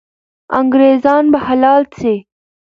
انګریزان به حلال سي.